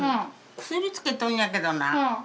薬つけとんのやけどな。